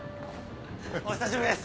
お久しぶりです！